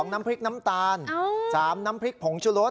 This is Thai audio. น้ำพริกน้ำตาล๓น้ำพริกผงชุรส